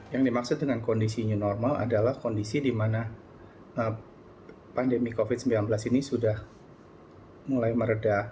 yang dimaksud dengan kondisi new normal adalah kondisi di mana pandemi covid sembilan belas ini sudah mulai meredah